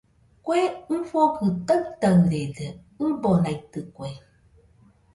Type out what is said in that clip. Kue ifɨgɨ taɨtarede, ɨbonaitɨkue